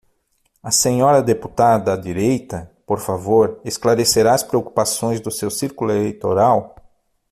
A senhora deputada à direita, por favor, esclarecerá as preocupações do seu círculo eleitoral?